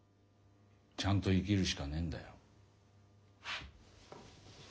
ちゃんと生きるしかねえんだよ。